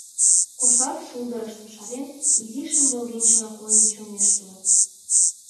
Кошар шулдырыштым шарен, изи шем волгенчыла койын чоҥештылыт.